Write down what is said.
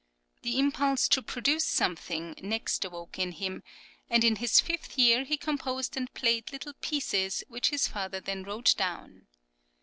The impulse to produce something next awoke in him, and in his fifth year he composed and played little pieces, {CHILDHOOD.} (20) which his father then wrote down.